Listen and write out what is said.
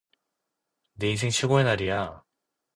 내 인생 최고의 날이야!